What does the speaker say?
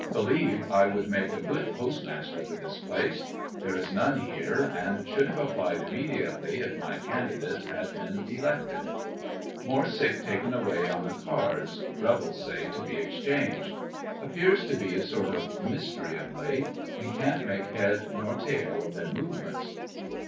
Believe I would make a good postmaster for this place. There is none here and should have applied immediately, if my candidate had been elected. More sick taken away on the cars; rebels say to be ex changed Appears to be a sort of mystery of late, and can't make head nor tail of their movements.